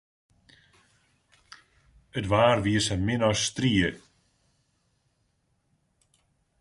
It waar wie sa min as strie.